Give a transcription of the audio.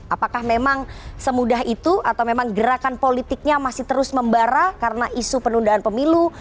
apakah memang semudah itu atau memang gerakan politiknya masih terus membara karena isu penundaan pemilu